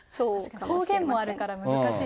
方言もあるから難しいですよね。